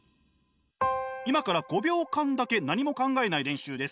今から５秒間だけ何も考えない練習です。